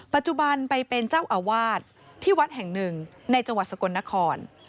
ปัจจุบันไปเป็นเจ้าอาวาสที่วัดแห่งหนึ่งในจังหวัดสกลนคร